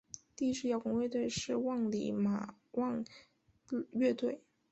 第一支摇滚乐队是万李马王乐队。